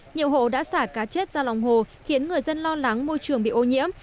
nhiều hộ đã xả cá chết ra lòng hồ khiến người dân lo lắng môi trường bị ô nhiễm